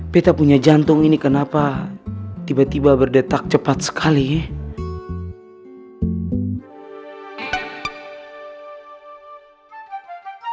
peta punya jantung ini kenapa tiba tiba berdetak cepat sekali ya